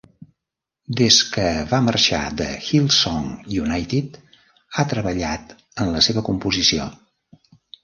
Des que va marxar de Hillsong United, a treballat en la seva composició.